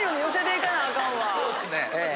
そうっすね。